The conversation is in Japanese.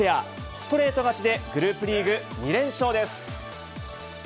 ストレート勝ちでグループリーグ２連勝です。